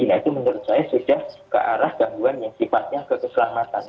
nah itu menurut saya sudah ke arah gangguan yang sifatnya ke keselamatan